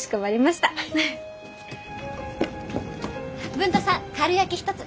文太さんかるやき一つ。